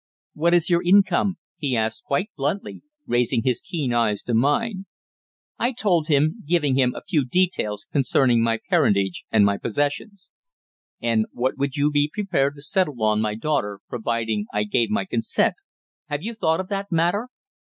"What is your income?" he asked quite bluntly, raising his keen eyes to mine. I told him, giving him a few details concerning my parentage and my possessions. "And what would you be prepared to settle on my daughter, providing I gave my consent? Have you thought of that matter?"